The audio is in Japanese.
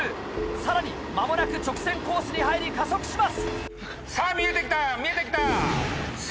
さらに間もなく直線コースに入り加速します！